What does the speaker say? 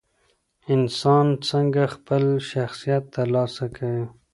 انسان څنګه خپل شخصیت ترلاسه کوي؟